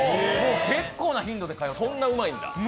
結構な頻度で通ってます。